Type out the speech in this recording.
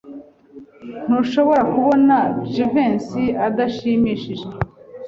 Ntushobora kubona Jivency adashimishijwe?